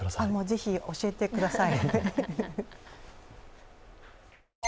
ぜひ教えてください。